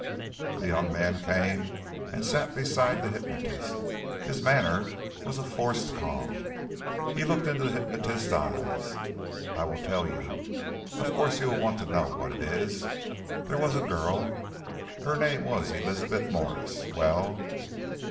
The young man came and sat beside the hypnotist. His manner was a forced calm. He looked into the hypnotist's eyes. "I will tell you. Of course you will want to know what it is. There was a girl. Her name was Elizabeth Mwres. Well